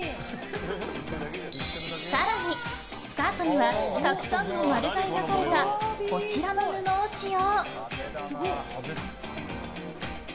更に、スカートにはたくさんの丸が描かれたこちらの布を使用！